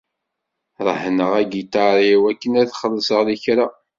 Rehneɣ agiṭar-iw akken ad xellṣeɣ lekra.